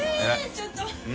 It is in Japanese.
ちょっと